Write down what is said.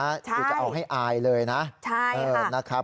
ใช่ใช่ค่ะกูจะเอาให้อายเลยนะนะครับ